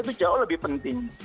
itu jauh lebih penting